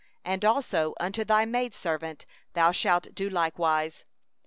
And also unto thy bondwoman thou shalt do likewise.